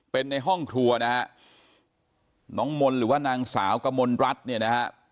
เป็นในห้องครัวนะฮะน้องมนต์หรือว่านางสาวกมลรัฐเนี่ยนะฮะ